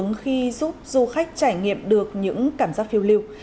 đang là một dự án xu hướng khi giúp du khách trải nghiệm được những cảm giác phiêu lưu